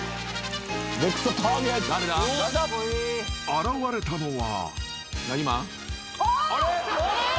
［現れたのは］